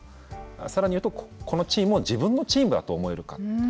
さらに言うとこのチームを自分のチームだと思えるか。